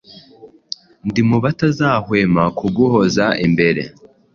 Ndi mu batazahwema kuguhoza iMbere